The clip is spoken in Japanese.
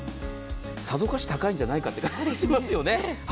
さぞかし高いんじゃないかって気がしますよね。